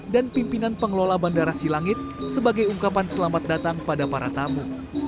dan pimpinan pengelola bandara silangit sebagai ungkapan selamat datang pada para tamu